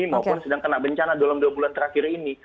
maupun sedang kena bencana dalam dua bulan terakhir ini